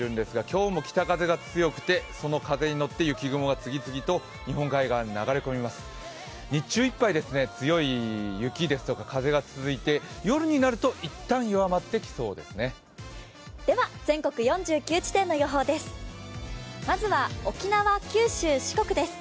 日中いっぱい強い雪や風が続いて、夜になるといったん弱まってきそうですね。